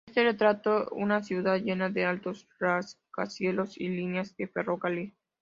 Este retrató una ciudad llena de altos rascacielos y líneas de ferrocarril.